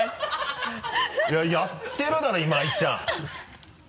いややってるだろ今井ちゃん。